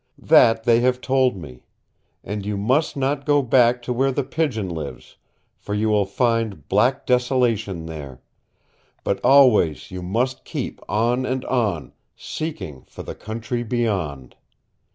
That they have told me. And you must not go back to where The Pigeon lives, for you will find black desolation there but always you must keep on and on, seeking for the Country Beyond.